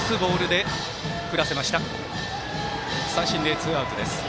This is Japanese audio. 三振で、ツーアウト。